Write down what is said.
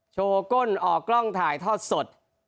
ก้นออกกล้องถ่ายทอดสด